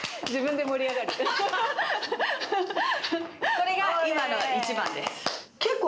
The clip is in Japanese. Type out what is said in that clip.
これが今の一番です。